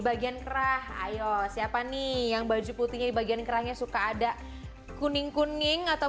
bagian kerah ayo siapa nih yang baju putihnya di bagian kerahnya suka ada kuning kuning atau